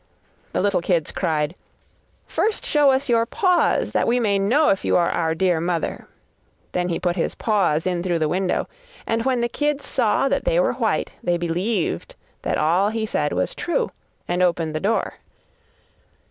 The little kids cried: 'First show us your paws that we may know if you are our dear little mother.' Then he put his paws in through the window and when the kids saw that they were white, they believed that all he said was true, and opened the door.